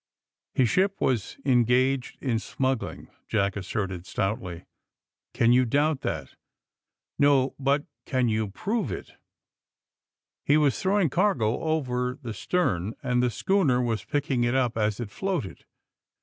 ^'His ship was engaged in smuggling," Jack asserted stoutly. ''Can you doubt that!" ''No; but can you prove itf" *'He was throwing cargo over the stern and the schooner was picking it up as it floated."